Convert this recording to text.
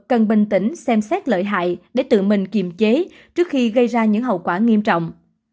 cần bình tĩnh xem xét lợi hại để tự mình kiềm chế trước khi gây ra những hậu quả nghiêm trọng